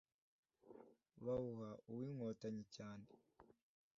bawuha uw'inkotanyi cyane,